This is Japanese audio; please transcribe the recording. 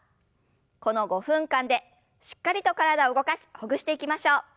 この５分間でしっかりと体を動かしほぐしていきましょう。